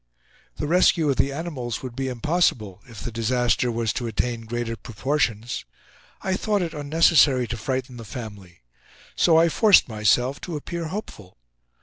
The rescue of the animals would be impossible, if the disaster was to attain greater proportions. I thought it unnecessary to frighten the family. So I forced myself to appear hopeful.